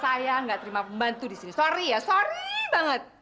saya nggak terima pembantu di sini sorry ya sorry banget